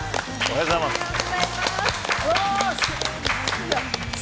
おはようございます。